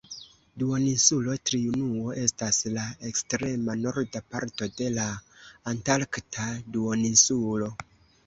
Duoninsulo Triunuo estas la ekstrema norda parto de la Antarkta Duoninsulo.